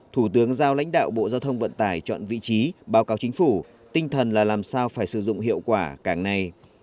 thủ tướng giao lãnh đạo bộ giao thông vận tải chọn vị trí báo cáo chính phủ tinh thần là làm sao phải sử dụng hiệu quả cảng này